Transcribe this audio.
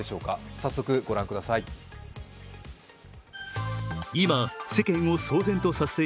早速、ご覧ください。